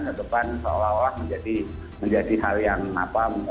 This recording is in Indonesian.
kebeban seolah olah menjadi hal yang apa